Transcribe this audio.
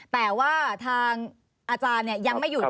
แต่ว่าทางอาจารย์ยังไม่หยุด